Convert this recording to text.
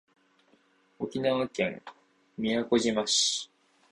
沖縄県宮古島市